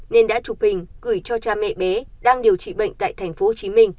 nên đã chụp hình gửi cho cha mẹ bé đang điều trị bệnh tại tp hcm